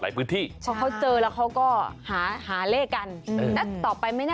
พบกันจริง